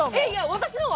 私のは？